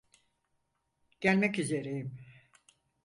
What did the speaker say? Gelmek üzereyim.